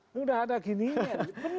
ini udah ada gininya